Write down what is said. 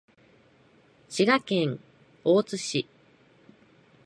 滋賀県大津市